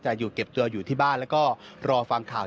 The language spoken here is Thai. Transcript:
จะออกมาเก็บตัวอยู่ที่บ้านและก็รอฟังข่าว